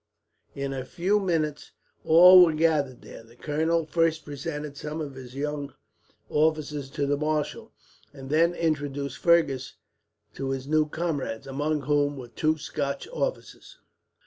In a few minutes all were gathered there. The colonel first presented some of his young officers to the marshal, and then introduced Fergus to his new comrades, among whom were two Scotch officers.